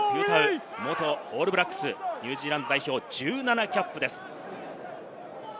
元オールブラックス、ニュージーランド代表１７キャップです。